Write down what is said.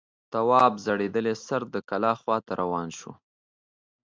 تواب ځړېدلی سر د کلا خواته روان شو.